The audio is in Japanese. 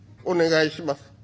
「お願いします。